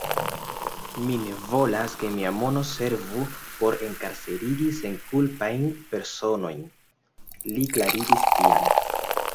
Mi ne volas, ke mia mono servu por enkarcerigi senkulpajn personojn, li klarigis tiam.